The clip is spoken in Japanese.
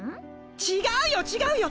違うよ違うよ！